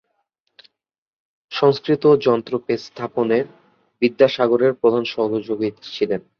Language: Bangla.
সংস্কৃত যন্ত্র প্রেস স্থাপনে বিদ্যাসাগরের প্রধান সহযোগী ছিলেন।